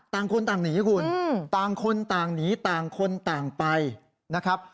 ต่างคนต่างหนีคุณต่างคนต่างหนีต่างคนต่างไปนะครับ